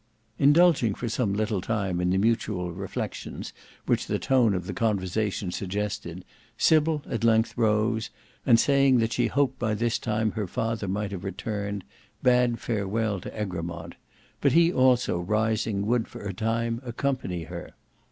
Indulging for some little time in the mutual reflections, which the tone of the conversation suggested, Sybil at length rose, and saying that she hoped by this time her father might have returned, bade farewell to Egremont, but he also rising would for a time accompany her.